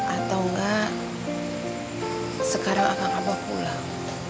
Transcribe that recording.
atau enggak sekarang akan kak mbak pulang